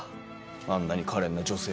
あんなにかれんな女性が。